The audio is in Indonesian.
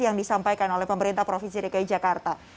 yang disampaikan oleh pemerintah provinsi dki jakarta